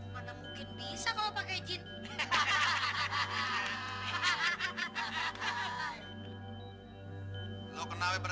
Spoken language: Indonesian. melepaskan did author